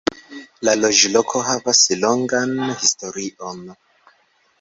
La loĝloko havas longan historion.